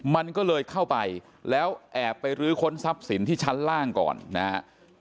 มันก็เลยเข้าไปแล้วแอบไปรื้อค้นทรัพย์สินที่ชั้นล่างก่อนนะฮะ